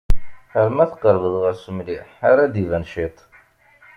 Arma tqerrbeḍ ɣer-s mliḥ ara d-iban ciṭ.